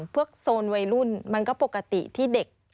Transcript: โซนวัยรุ่นมันก็ปกติที่เด็ก